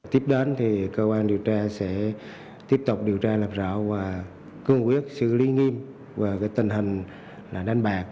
tiếp đến thì cơ quan điều tra sẽ tiếp tục điều tra làm rõ và cương quyết xử lý nghiêm về tình hình đánh bạc